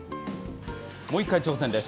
もう一回挑戦です。